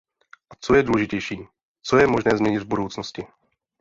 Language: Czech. A co je důležitější, co je možné změnit v budoucnosti?